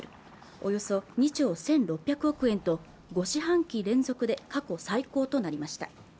およそ２兆１６００億円と５四半期連続で過去最高となりました